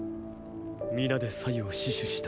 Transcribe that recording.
皆でを死守した。